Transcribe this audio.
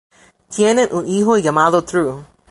Tienen un hijo llamado True.